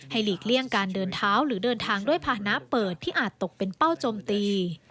หลีกเลี่ยงการเดินเท้าหรือเดินทางด้วยภานะเปิดที่อาจตกเป็นเป้าจมตี